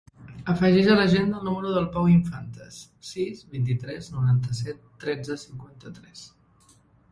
Afegeix a l'agenda el número del Pau Infantes: sis, vint-i-tres, noranta-set, tretze, cinquanta-tres.